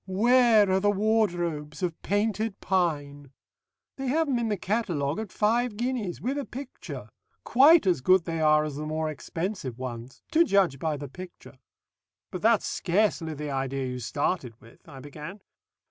Where are the wardrobes of Painted Pine?' "They have 'em in the catalogue at five guineas, with a picture quite as good they are as the more expensive ones. To judge by the picture." "But that's scarcely the idea you started with," I began.